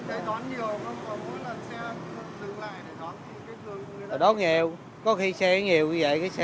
anh cháy đón nhiều không còn mỗi lần xe dừng lại thì đón cái đường đi